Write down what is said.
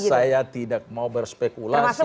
saya tidak mau berspekulasi